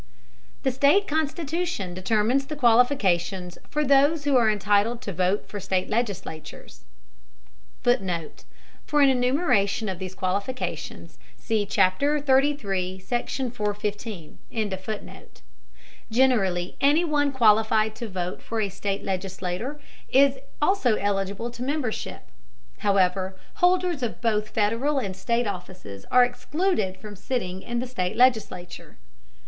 The state constitution determines the qualifications of those who are entitled to vote for state legislators. [Footnote: For an enumeration of these qualifications, see Chapter XXXIII, Section 415.] Generally, anyone qualified to vote for a state legislator is also eligible to membership. However, holders of both Federal and state offices are excluded from sitting in the state legislature.